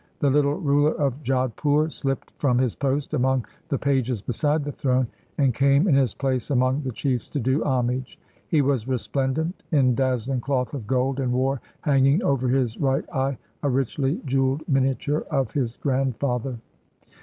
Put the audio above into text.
The httle ruler of Jodh pur sHpped from his post among the pages beside the throne, and came in his place among the chiefs to do homage. He was resplendent in dazzhng cloth of gold, and wore, hanging over his right eye, a richly jeweled miniature of his grandfather.